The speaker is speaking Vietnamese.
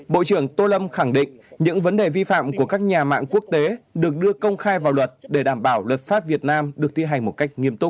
bộ trưởng tô lâm khẳng định những vấn đề vi phạm của các nhà mạng quốc tế được đưa công khai vào luật để đảm bảo luật pháp việt nam được thi hành một cách nghiêm túc